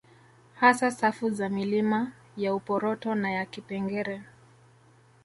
Hasa safu za milima ya Uporoto na ya Kipengere